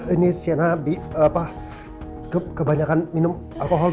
ini siana kebanyakan minum alkohol